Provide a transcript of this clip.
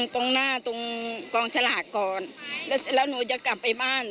ตรงหน้าตรงกองสลากก่อนแล้วหนูจะกลับไปบ้าน